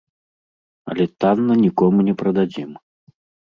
Але танна нікому не прададзім.